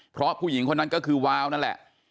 เพราะผู้หญิงคนนั้นก็คือวาวนั่นแหละ